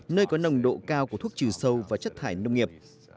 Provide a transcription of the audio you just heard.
nơi có nồng độ cao của thuốc trừ sâu và chất thải nông nghiệp